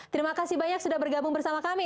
terima kasih banyak sudah bergabung bersama kami